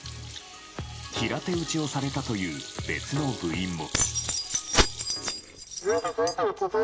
平手打ちをされたという別の部員も。